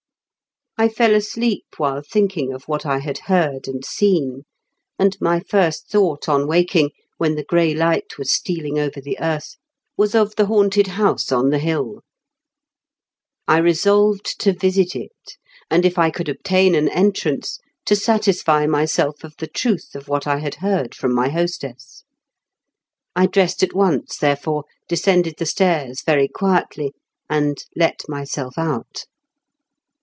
I fell asleep while thinking of what I had heard and seen, and my first thought on waking, when the gray light was stealing over the earth, was of the haimted house on the 238 m KENT WITH CHARLES DICKENS. Tn'11 I resolved to visit it, and, if I could obtain an entrance, to satisfy myself of the truth of what I had heard from my hostess. I dressed at once, therefore, descended the stairs very quietly, and let myself out."'